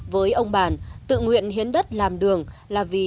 với ông bàn tự nguyện hiến đất làm đường là vì